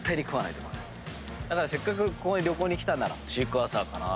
せっかくここに旅行に来たならシークワーサーかな。